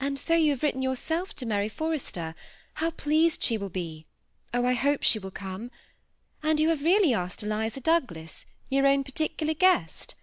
"And so you have written yourself to Mary For rester ; how pleased she will he ! Oh I I hope she will come. And you have really asked Eliza Douglas, your own particular guest?